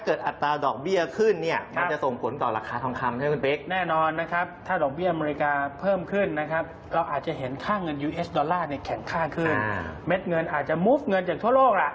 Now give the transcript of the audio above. เพราะได้ดอกเบี้ยได้ผลต่อแทนที่สูงมาก